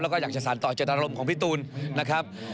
แล้วก็อยากจะสารต่อเจตนารมณ์ของพี่ตูนนะครับ